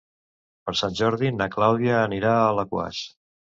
Per Sant Jordi na Clàudia anirà a Alaquàs.